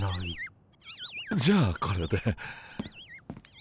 じゃあこれで。